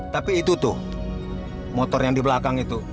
tapi itu tuh motor yang di belakang itu